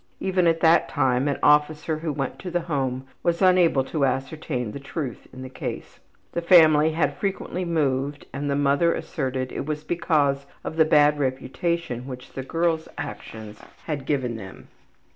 Even at that time an officer who went to the home was unable to ascertain the truth in the case. The family had frequently moved and the mother asserted it was because of the bad reputation which the girl's actions had given them.